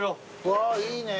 わあいいね。